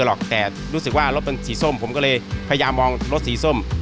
หรอกแต่รู้สึกว่ารถมันสีส้มผมก็เลยพยายามมองรถสีส้ม